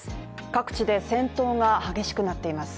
各地で戦闘が激しくなっています。